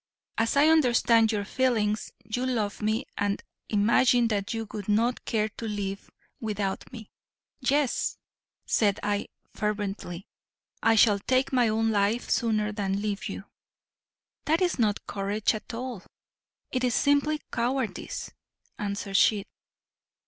As I understand your feelings, you love me and imagine that you would not care to live without me." "Yes," said I fervently, "I shall take my own life sooner than leave you." "That is not courage at all, it is simply cowardice," answered she.